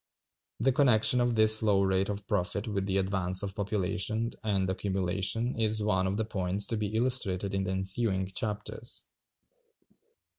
The connection of this low rate of profit with the advance of population and accumulation is one of the points to be illustrated in the ensuing chapters.